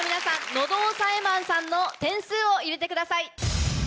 喉押さえマンさんの点数を入れてください。